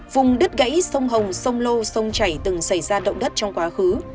vùng đất gãy sông hồng sông lô sông chảy từng xảy ra động đất trong quá khứ